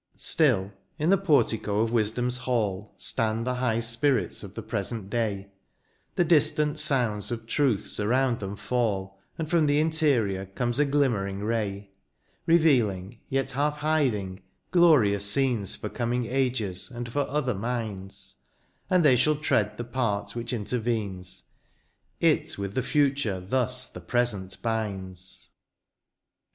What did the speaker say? Still, in the portico of wisdom's hall/ Stand the high spirits of the present day ; The distant sounds of truths around them £edl. And from the interior comes a glimmering ray. Revealing, yet half hiding, glorious scenes For coming ages, and for other minds ; And they shall tread the part which intervenes ; It with the future thus the present binds. XV.